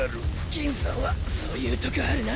錦さんはそういうとこあるな。